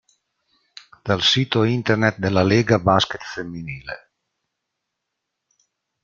Dal sito internet della LegA Basket Femminile.